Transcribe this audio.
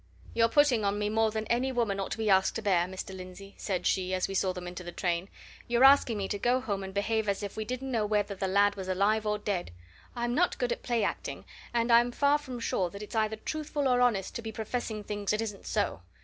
"You're putting on me more than any woman ought to be asked to bear, Mr. Lindsey," said she, as we saw them into the train. "You're asking me to go home and behave as if we didn't know whether the lad was alive or dead. I'm not good at the playacting, and I'm far from sure that it's either truthful or honest to be professing things that isn't so.